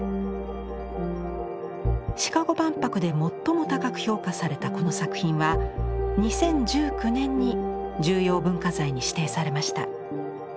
シカゴ万博で最も高く評価されたこの作品は２０１９年に重要文化財に指定されました。